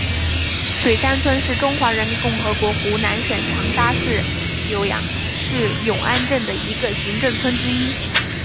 水山村是中华人民共和国湖南省长沙市浏阳市永安镇的行政村之一。